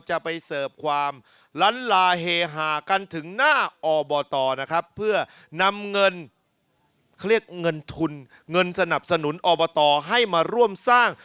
จูงมือบุดชุดมือหลานกำมือแฟนควงแขนแม่ยาย